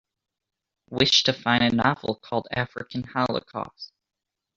Wish to find a novel called African Holocaust